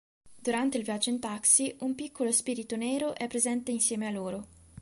Durante il viaggio in taxi, un piccolo spirito nero è presente insieme a loro.